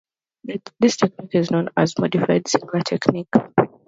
This technique is known as the modified Seldinger technique.